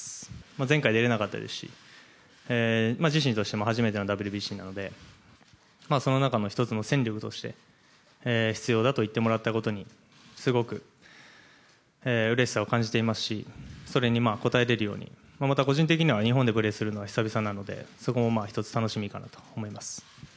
前回、出れなかったですし、自身としても初めてのＷＢＣなので、その中の一つの戦力として、必要だと言ってもらったことに、すごくうれしさを感じていますし、それに応えれるように、また個人的には、日本でプレーするのは久々なので、そこもまあ、一つ楽しみかなと思います。